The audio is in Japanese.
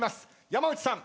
山内さん！